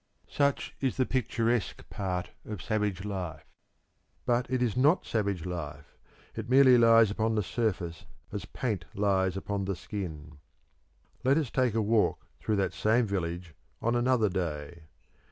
Such is the picturesque part of savage life. But it is not savage life it merely lies upon the surface as paint lies upon the skin. Let us take a walk through that same village on another day.